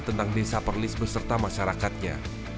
tentang desa perlis beserta masyarakatnya